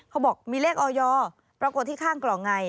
เขาบอกมีเลขออยปรากฏที่ข้างกล่องไง